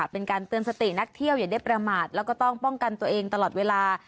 เป็นการเตือนสตินักเที่ยวอย่าได้ประมาทแล้วก็ต้องป้องกันตัวเองตลอดเวลา